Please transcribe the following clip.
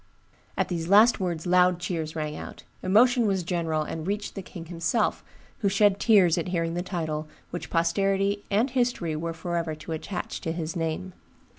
"At these last words loud cheers rang out; emotion was general, and reached the king himself, who shed tears at hearing the title which posterity and history were forever to attach to his name.